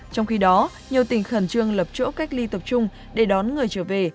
trong khi đó nhiều tỉnh khẩn trương lập chỗ cách ly tập trung để đón người trở về